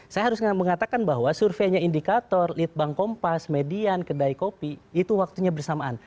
saya harus mengatakan bahwa surveinya indikator lead bank kompas median kedai kopi itu waktunya bersamaan